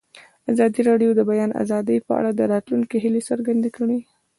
ازادي راډیو د د بیان آزادي په اړه د راتلونکي هیلې څرګندې کړې.